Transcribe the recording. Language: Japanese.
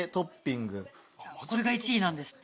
これが１位なんですって。